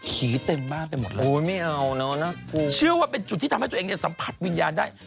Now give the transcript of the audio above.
เต็มบ้านไปหมดเลยโอ้ยไม่เอาเนอะเชื่อว่าเป็นจุดที่ทำให้ตัวเองเนี่ยสัมผัสวิญญาณได้